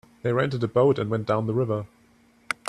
They rented a boat and went down the river.